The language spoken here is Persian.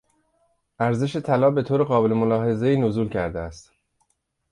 ارزش طلا به طور قابل ملاحظهای نزول کرده است.